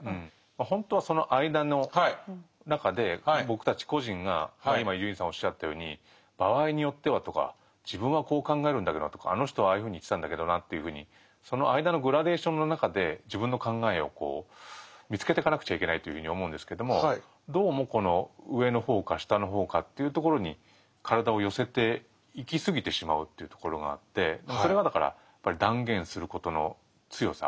ほんとはその間の中で僕たち個人が今伊集院さんおっしゃったように「場合によっては」とか「自分はこう考えるんだけどな」とか「あの人はああいうふうに言ってたんだけどな」というふうにその間のグラデーションの中で自分の考えを見つけてかなくちゃいけないというふうに思うんですけどもどうもこの上の方か下の方かというところにそれはだからやっぱり断言することの強さ。